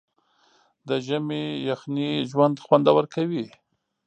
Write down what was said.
د ژمي یخنۍ ژوند خوندور کوي.